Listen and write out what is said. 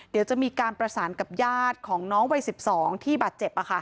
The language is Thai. เดี๋ยวจะมีการประสานกับญาติของน้องวัย๑๒ที่บาดเจ็บ